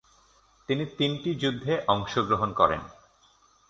তিনি তিনটি যুদ্ধে অংশগ্রহণ করেন।